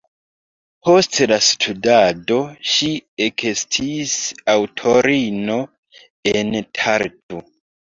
Post la studado ŝi ekestis aŭtorino en Tartu.